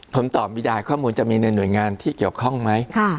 ผมตอบไม่ได้ข้อมูลจะมีในหน่วยงานที่เกี่ยวข้องไหม